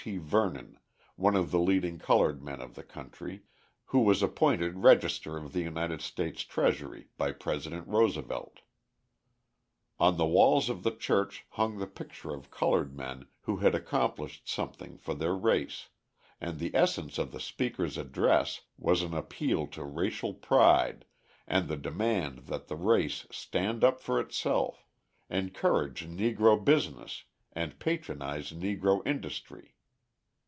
T. Vernon, one of the leading coloured men of the country, who was appointed Register of the United States Treasury by President Roosevelt. On the walls of the church hung the pictures of coloured men who had accomplished something for their race, and the essence of the speaker's address was an appeal to racial pride and the demand that the race stand up for itself, encourage Negro business and patronise Negro industry.